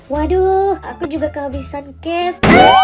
waduh aku juga kehabisan cash